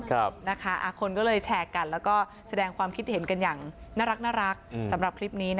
คนก็เลยแชร์กันแล้วก็แสดงความคิดเห็นกันอย่างน่ารักสำหรับคลิปนี้